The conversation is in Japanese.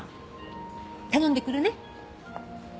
頼んでくるね。